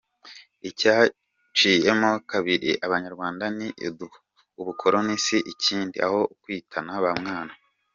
Icyaciyemo kabiri abanyarwanda ni ubukoloni si ikindi, aho kwitana bamwana.